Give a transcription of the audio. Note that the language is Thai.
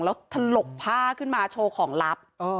แล้วถลกผ้าขึ้นมาโชว์ของลับ